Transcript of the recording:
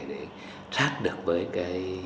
để sát được với cái